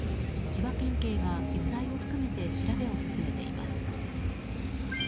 千葉県警が余罪を含めて調べを進めています。